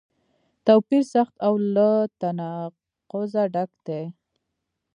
توپیر سخت او له تناقضه ډک دی.